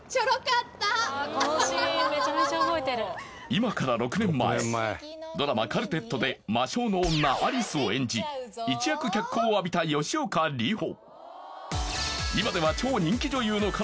今から６年前ドラマ「カルテット」で魔性の女・有朱を演じ一躍脚光を浴びた吉岡里帆